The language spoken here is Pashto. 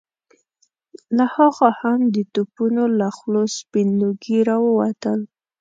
له هاخوا هم د توپونو له خولو سپين لوګي را ووتل.